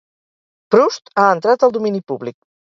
Proust ha entrat al domini públic.